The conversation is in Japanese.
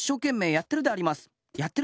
やってるであります。